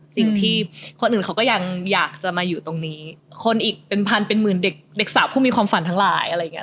สิ่งที่คนอื่นเขาก็ยังอยากจะมาอยู่ตรงนี้คนอีกเป็นพันเป็นหมื่นเด็กสาวพวกมีความฝันทั้งหลาย